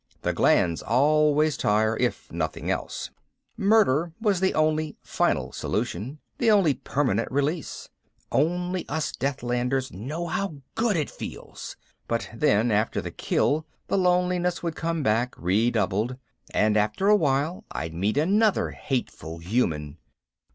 The glands always tire, if nothing else. Murder was the only final solution, the only permanent release. Only us Deathlanders know how good it feels. But then after the kill the loneliness would come back, redoubled, and after a while I'd meet another hateful human